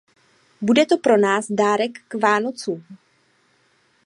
Bude to pro nás dárek k Vánocům.